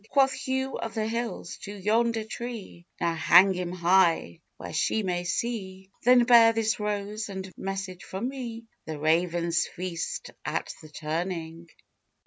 Quoth Hugh of the Hills, "To yonder tree Now hang him high where she may see; Then bear this rose and message from me 'The ravens feast at the turning.